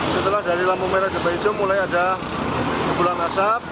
setelah dari lampu merah ke beiju mulai ada kumpulan asap